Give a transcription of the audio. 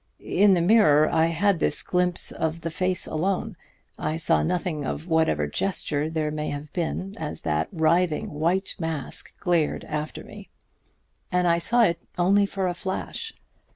In the little mirror I had this glimpse of the face alone; I saw nothing of whatever gesture there may have been as that writhing white mask glared after me. And I saw it only for a flash.